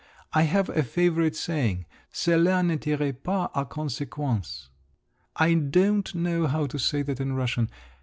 I have a favourite saying: Cela ne tire pas à conséquence,—I don't know how to say that in Russian.